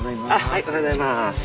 おはようございます。